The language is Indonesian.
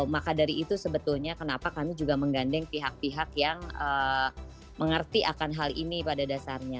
maka dari itu sebetulnya kenapa kami juga menggandeng pihak pihak yang mengerti akan hal ini pada dasarnya